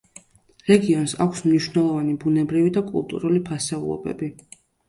რეგიონს აქვს მნიშვნელოვანი ბუნებრივი და კულტურული ფასეულობები.